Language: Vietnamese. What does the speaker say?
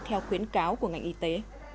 theo khuyến cáo của ngành y tế